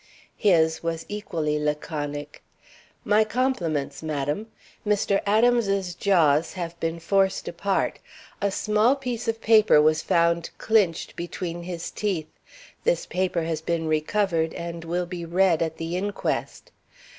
His was equally laconic: My compliments, madam! Mr. Adams's jaws have been forced apart. A small piece of paper was found clinched between his teeth. This paper has been recovered, and will be read at the inquest.